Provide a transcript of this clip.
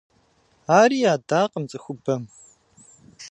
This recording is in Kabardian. Ари ядакъым цӀыхубэм…